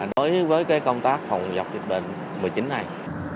đối với công tác phòng dọc dịch bệnh covid một mươi chín này